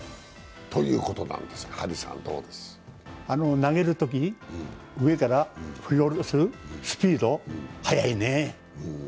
投げるとき、上から振りおろすスピード、速いね。